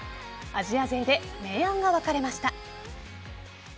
アジア勢で明暗が分かれました。